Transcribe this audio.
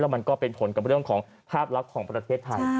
มันก็เป็นผลกับเรื่องของภาพลักษณ์ของประเทศไทย